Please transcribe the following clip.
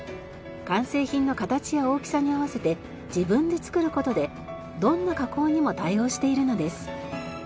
完成品の形や大きさに合わせて自分で作る事でどんな加工にも対応しているのです。